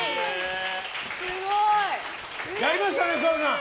やりましたね、福原さん。